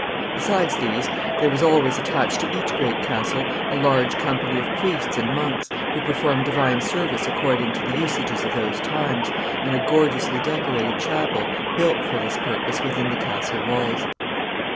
Besides these, there was always attached to each great castle a large company of priests and monks, who performed divine service according to the usages of those times, in a gorgeously decorated chapel built for this purpose within the castle walls. [Sidenote: Great power of the nobles.